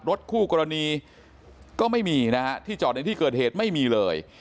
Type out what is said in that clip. รถคู่กรณีก็ไม่มีนะฮะที่จอดในที่เกิดเหตุไม่มีเลย